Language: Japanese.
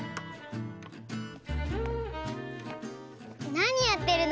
なにやってるの？